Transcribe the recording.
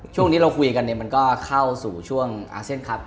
ช่วงนี้เราคุยกันเนี่ยมันก็เข้าสู่ช่วงอาเซียนครับ